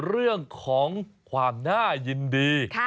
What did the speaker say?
เรื่องของความน่ายินดี